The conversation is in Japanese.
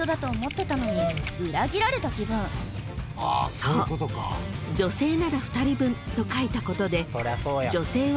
［そう「女性なら２人分」と書いたことで］